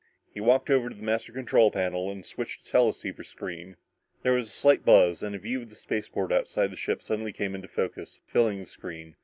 He walked over to the master control panel and switched the teleceiver screen. There was a slight buzz, and a view of the spaceport outside the ship suddenly came into focus, filling the screen.